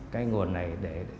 cái nguồn này để